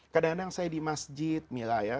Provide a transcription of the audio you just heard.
kadang kadang saya di masjid mila ya